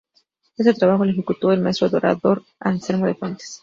Este trabajo lo ejecutó el maestro dorador Anselmo de Fuentes.